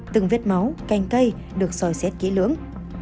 từng vết máu canh cây được soi xét kỹ lưỡng